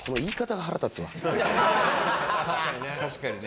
確かにね。